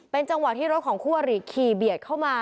จังหวะที่รถของคู่อริขี่เบียดเข้ามา